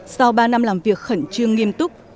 sau ba năm làm việc khẩn trương nghiêm túc